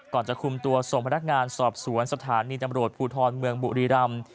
จะคุมตัวส่งพนักงานสอบสวนสถานีตำรวจภูทรเมืองบุรีรำ